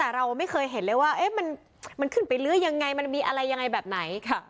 แต่เราไม่เคยเห็นเลยว่ามันขึ้นไปลื้อยังไงมันมีอะไรยังไงแบบไหน